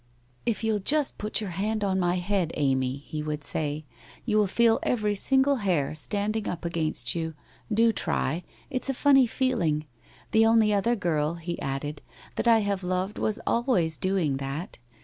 'If you'll just put your hand on my head, Amy/ he would say, 'you will feel every single hair standing up against you. Do try. It's a funny feeling. The only other girl/ he added, ' that I have loved was always doing that.